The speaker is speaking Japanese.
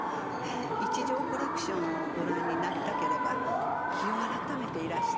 一条コレクションをご覧になりたければ日を改めていらして。